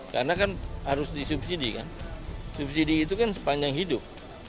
karena kan harus disubsidi kan subsidi itu kan sepanjang hidup